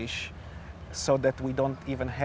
agar kita tidak perlu